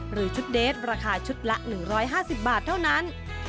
หรือชุดเดสราคาชุดละ๑๕๐บาทเท่านั้น